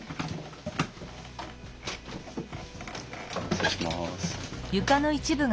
失礼します。